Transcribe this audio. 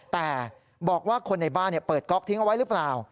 แต่บอกว่าคนในบ้านเปิดก๊อกทิ้งเอาไว้หรือเปล่า